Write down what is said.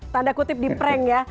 tanda kutip di prank ya